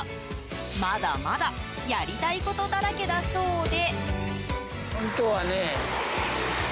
まだまだやりたいことだらけだそうで。